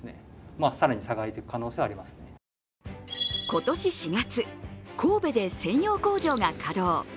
今年４月、神戸で専用工場が稼働。